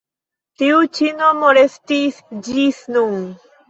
Tiu ĉi nomo restis ĝis nun.